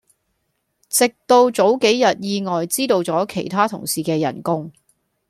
直到早幾日意外知道咗其他同事既人工